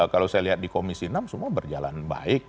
kalau saya lihat di komisi enam semua berjalan baik